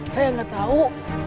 saya gak tau